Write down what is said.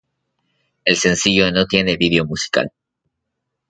El sencillo no tiene video musical.